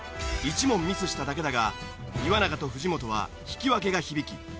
１問ミスしただけだが岩永と藤本は引き分けが響き